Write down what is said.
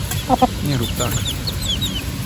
Nie rób tak.